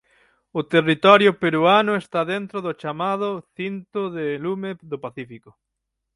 O territorio peruano está dentro do chamado cinto de lume do Pacífico.